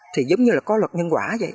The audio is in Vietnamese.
thì giống như là có luật nhân quả vậy